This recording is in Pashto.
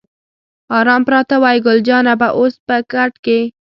آرام پراته وای، ګل جانه به اوس په کټ کې.